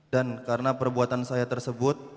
dan karena perbuatan saya tersebut